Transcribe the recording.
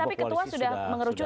tapi ketua sudah mengerucut ya